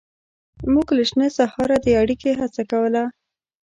موږ له شنه سهاره د اړیکې هڅه کوله.